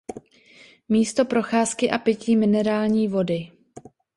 Místo procházky a pití minerální vody.